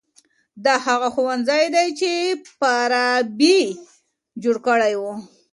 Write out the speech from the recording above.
دا هغه ښوونځی دی چي فارابي جوړ کړی و.